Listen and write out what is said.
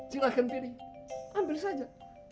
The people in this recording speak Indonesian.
silahkan pilih ambil saja